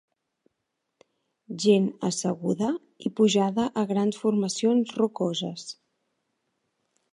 Gent asseguda i pujada a grans formacions rocoses.